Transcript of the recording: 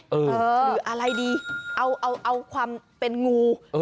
หรืออะไรดีเอาเอาเอาความเป็นงูเออ